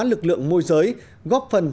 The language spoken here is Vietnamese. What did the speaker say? lực lượng mô giới góp phần